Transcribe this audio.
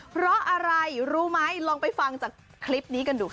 เพราะอะไรรู้ไหมลองไปฟังจากคลิปนี้กันดูค่ะ